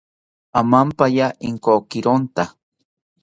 Amampaya Inkokironta